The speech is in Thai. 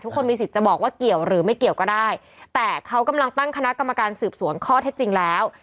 คนมีสิทธิ์จะบอกว่าเกี่ยวหรือไม่เกี่ยวก็ได้แต่เขากำลังตั้งคณะกรรมการสืบสวนข้อเท็จจริงแล้ว